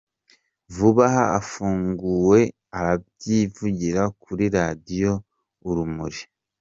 Vuba aha afunguwe arabyivugira kuri Radiyo Urumuri.